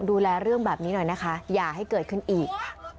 ดูแลเรื่องแบบนี้หน่อยนะคะอย่าให้เกิดขึ้นอีก